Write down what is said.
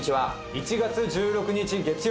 １月１６日月曜。